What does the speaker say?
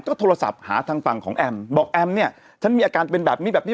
ก็โทรศัพท์หาทางฝั่งของแอมบอกแอมเนี่ยฉันมีอาการเป็นแบบนี้แบบนี้